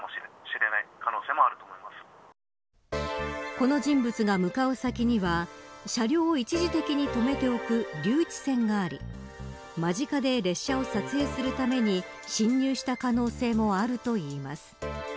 この人物が向かう先には車両を一時的に止めておく留置線があり間近で列車を撮影するために侵入した可能性もあるといいます。